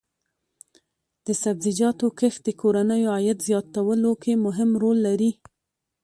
د سبزیجاتو کښت د کورنیو عاید زیاتولو کې مهم رول لري.